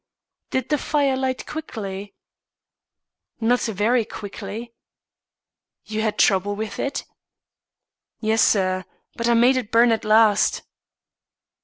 "Did the fire light quickly?" "Not very quickly." "You had trouble with it?" "Yes, sir. But I made it burn at last."